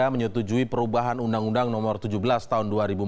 menyetujui perubahan undang undang nomor tujuh belas tahun dua ribu empat belas